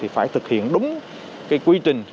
phải thực hiện đúng quy trình